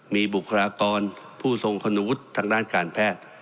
มีบุคลากรผู้ทรงคุณวุฒิทางด้านการแพทย์